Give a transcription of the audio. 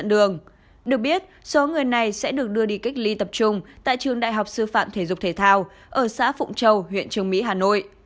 được biết số người này sẽ được đưa đi cách ly tập trung tại trường đại học sư phạm thể dục thể thao ở xã phụng châu huyện châu mỹ hà nội